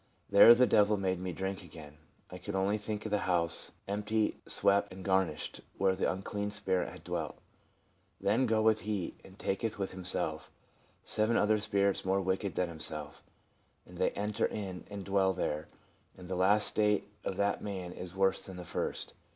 There the devil made me drink again. I could only think of the house " empty, swept and gar nished," where the unclean spirit had dwelt. " Then goeth he, and taketh with himself seven other spirits more wicked than himself, and they enter in and dwell there; and the last state of that man is worse than the first."